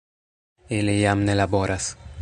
Ili jam ne laboras.